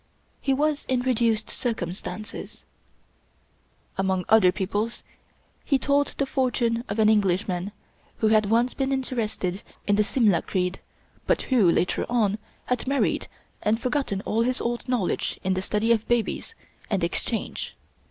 He was in reduced circumstances. Among other people's he told the fortune of an Englishman who had once been interested in the Simla creed, but who, later on, had married and forgotten all his old knowledge in the study of babies and Exchange.